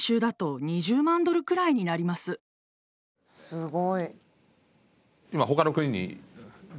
すごい。